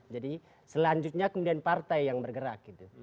jadi selanjutnya kemudian partai yang bergerak gitu